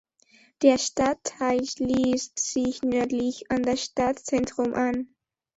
Der Stadtteil schließt sich nördlich an das Stadtzentrum an.